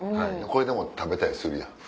これでも食べたりするやん。